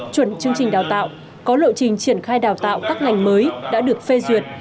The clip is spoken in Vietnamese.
chuẩn chương trình đào tạo có lộ trình triển khai đào tạo các ngành mới đã được phê duyệt